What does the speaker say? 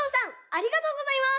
ありがとうございます。